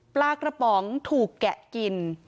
ปลากระป๋องถูกแกะกิน